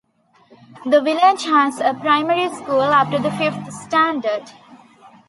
The village has a primary school up to the fifth standard.